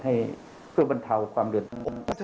ให้เพื่อบรรเทาความเดือดร้อน